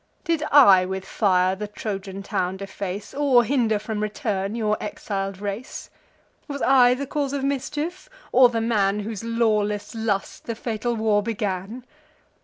Did I with fire the Trojan town deface, Or hinder from return your exil'd race? Was I the cause of mischief, or the man Whose lawless lust the fatal war began?